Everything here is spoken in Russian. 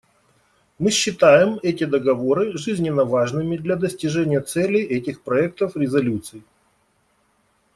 Мы считаем эти договоры жизненно важными для достижения целей этих проектов резолюций.